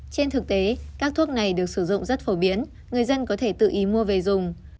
trên thực tế các thuốc này được sử dụng rất phổ biến người dân có thể tự ý mua về dùng